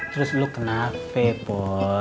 terus kamu kenapa bu